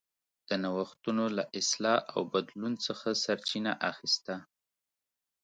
د نوښتونو له اصلاح او بدلون څخه سرچینه اخیسته.